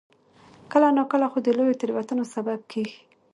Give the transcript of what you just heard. کله ناکله خو د لویو تېروتنو سبب کېږي.